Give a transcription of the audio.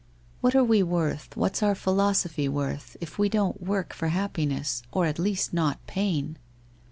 What are we worth, what's our philosophy worth, if we don't work for happiness, or at least not pain.